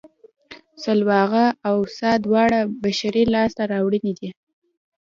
سلواغه او څا دواړه بشري لاسته راوړنې دي